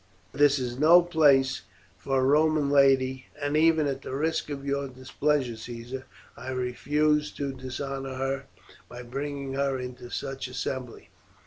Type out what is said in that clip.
This is no place for a Roman lady; and even at the risk of your displeasure, Caesar, I refuse to dishonour her by bringing her into such an assembly."